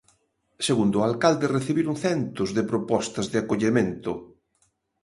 Segundo o alcalde, recibiron centos de propostas de acollemento.